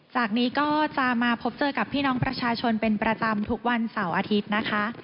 จากนี้ก็จะมาพบเจอกับพี่น้องประชาชนเป็นประจำทุกวันเสาร์อาทิตย์นะคะ